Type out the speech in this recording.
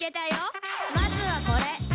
「まずはこれ！